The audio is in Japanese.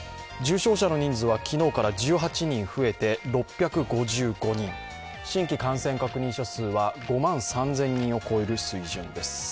重症者の人数は昨日から１８人増えて６５５人新規感染確認者数は５万３０００人を超える水準です。